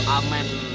amen disini nih